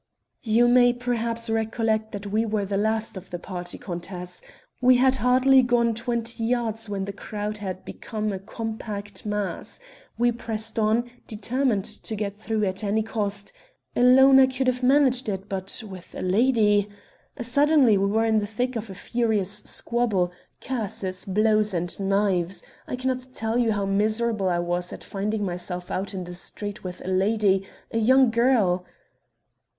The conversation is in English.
"You may perhaps recollect that we were the last of the party, countess; we had hardly gone twenty yards when the crowd had become a compact mass, we pressed on, determined to get through at any cost alone I could have managed it but with a lady suddenly we were in the thick of a furious squabble curses, blows, and knives. I cannot tell you how miserable I was at finding myself out in the street with a lady a young girl...."